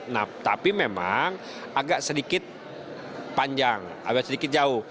nah tapi memang agak sedikit panjang agak sedikit jauh